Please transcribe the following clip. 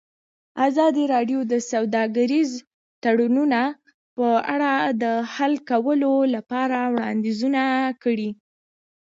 ازادي راډیو د سوداګریز تړونونه په اړه د حل کولو لپاره وړاندیزونه کړي.